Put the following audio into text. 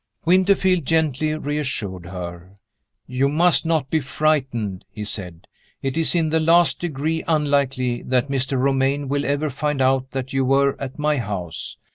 Winterfield gently reassured her. "You must not be frightened," he said. "It is in the last degree unlikely that Mr. Romayne will ever find out that you were at my house.